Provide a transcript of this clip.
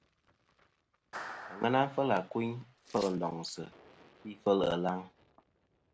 Aŋena fel àkuyn, fel ndoŋsɨ̀, fi fel ɨlaŋ.